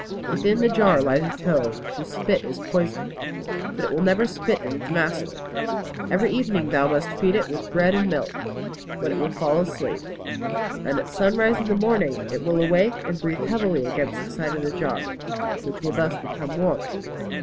Within the jar lies a toad, whose spit is poison. But it will never spit at its master. Every evening thou must feed it with bread and milk, when it will fall asleep; and at sunrise in the morning it will awake and breathe heavily against the side of the jar, which will thus become warm.